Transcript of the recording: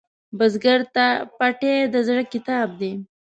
بزګر ته پټی د زړۀ کتاب دی